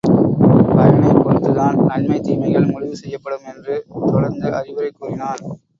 பயனைப் பொறுத்துத்தான் நன்மை தீமைகள் முடிவு செய்யப்படும் என்று தொடர்ந்து அறிவுரை கூறினான்.